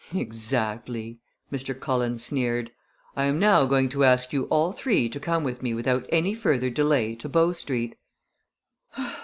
"Exactly!" Mr. Cullen sneered. "I am now going to ask you all three to come with me without any further delay to Bow Street."